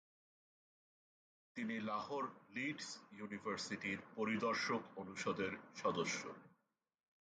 তিনি লাহোর লিডস ইউনিভার্সিটির পরিদর্শক অনুষদের সদস্য।